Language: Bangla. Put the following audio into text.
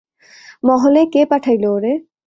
মহলে, কে পাঠাইলো ওরে?